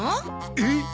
えっ！？